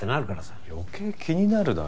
余計気になるだろ。